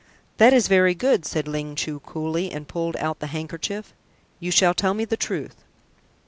"That is very good," said Ling Chu coolly, and pulled out the handkerchief. "You shall tell me the truth."